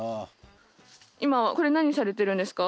今はこれ何されてるんですか？